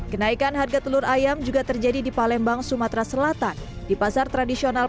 kenaikan harga telur ayam juga terjadi di palembang sumatera selatan di pasar tradisional